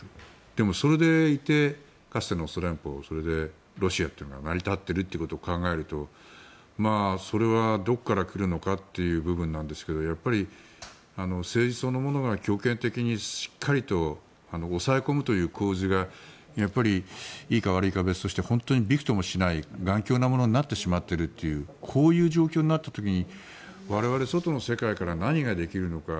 でも、それでいてかつてのソビエトロシアというのが成り立っているということを考えるとそれはどこから来るのかという部分なんですけどやっぱり、政治そのものが強権的にしっかりと抑え込むという構図がやっぱりいいか悪いか別として本当にびくともしない頑強なものになってしまっているこういう状況になった時に我々外の世界から何ができるのか。